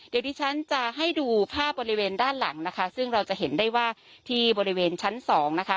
เดี๋ยวที่ฉันจะให้ดูภาพบริเวณด้านหลังนะคะซึ่งเราจะเห็นได้ว่าที่บริเวณชั้นสองนะคะ